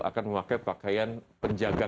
akan memakai pakaian penjaga